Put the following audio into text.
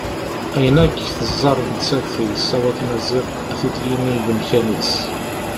Ayen akk teẓẓar nettat yessaweḍ Maziɣ ad t-id-yini deg umkan-is.